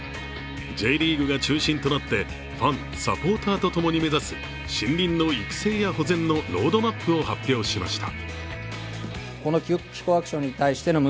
Ｊリーグが中心となってファン・サポーターとともに目指す森林の育成や保全のロードマップを発表しました。